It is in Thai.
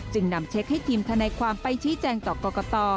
นำเช็คให้ทีมทนายความไปชี้แจงต่อกรกต